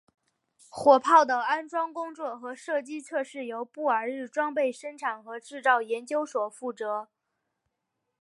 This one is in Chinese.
火炮的安装工作和射击测试由布尔日装备生产和制造研究所负责。